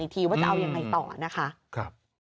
ทีว่าจะเอายังไงต่อนะคะ